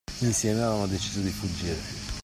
Insieme avevano deciso di fuggire.